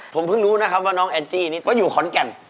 ผมเพิ่งรู้นะครับว่าน้องแอนจี้นี่ก็อยู่ขอนแก่น